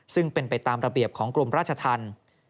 ซึ่งเป็นไปตามระเบียบของกรมราชธรรม